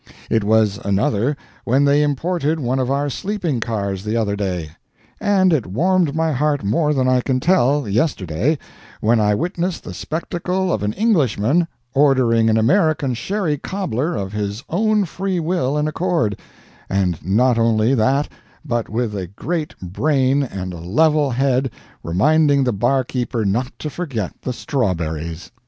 It was another when they imported one of our sleeping cars the other day. And it warmed my heart more than I can tell, yesterday, when I witnessed the spectacle of an Englishman ordering an American sherry cobbler of his own free will and accord and not only that but with a great brain and a level head reminding the barkeeper not to forget the strawberries.